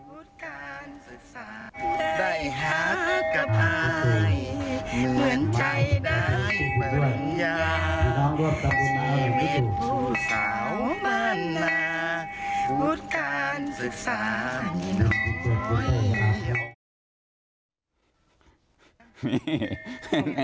ภูตการศึกษาได้หากภายเหมือนใจได้บรรยาที่มีผู้สาวมนาภูตการศึกษาหน่อย